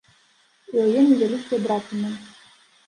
У яе невялікія драпіны.